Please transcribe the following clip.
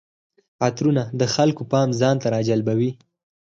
عطرونه د خلکو پام ځان ته راجلبوي.